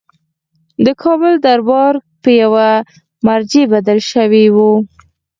د کابل دربار په یوه مرجع بدل شوی وو.